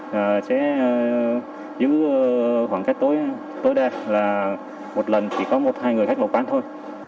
giữ khoảng cách tối đa là một lần chỉ có một hai người khách vào quán thôi